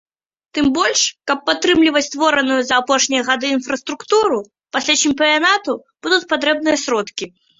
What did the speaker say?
Тым больш, каб падтрымліваць створаную за апошнія гады інфраструктуру, пасля чэмпіянату будуць патрэбныя сродкі.